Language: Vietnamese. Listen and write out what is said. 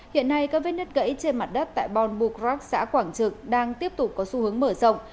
hiện nay các vết nứt gãy trên mặt đất tại bon bucrac xã quảng trực đang tiếp tục có xu hướng mở rộng